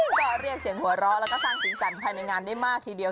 ก็เรียกเสียงหัวเราะแล้วก็สร้างสีสันภายในงานได้มากทีเดียว